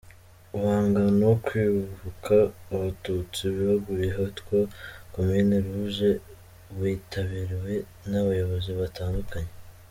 Umuhango wo kwibuka Abatutsi baguye ahitwa "komine ruje" witabiriwe n’abayobozi batandukanye.